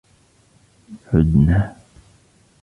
عدنا.